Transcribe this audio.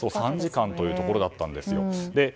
３時間というところだったんですよ。